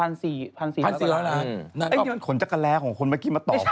นี่มันขนจักรแร้ของคนเมื่อกี้มาต่อครับ